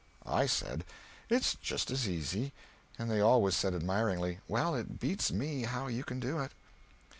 I said, "It's just as easy," and they always said, admiringly, "Well it beats me how you can do it."